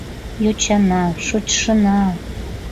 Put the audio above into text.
Йочана, шочшына